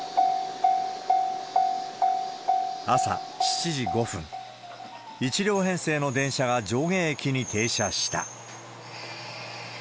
朝７時５分、１両編成の電車が上下駅に停車した。